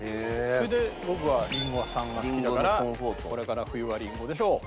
それで僕はりんごさんが好きだからこれから冬はりんごでしょう！